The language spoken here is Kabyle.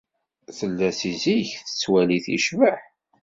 Tella seg zik tettwali-t yecbeḥ.